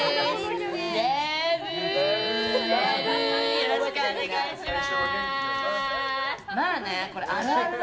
よろしくお願いします。